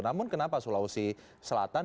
namun kenapa sulawesi selatan